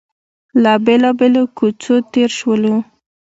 له بېلابېلو کوڅو تېر شولو.